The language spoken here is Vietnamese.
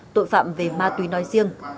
tội phạm về ma túy nói riêng